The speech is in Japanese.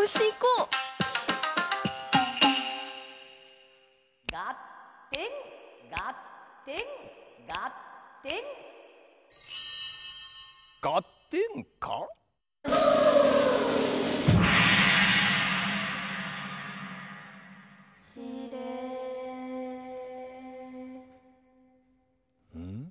うん？